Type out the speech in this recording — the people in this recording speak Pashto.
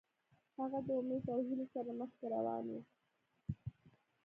هغه د امید او هیلې سره مخکې روان و.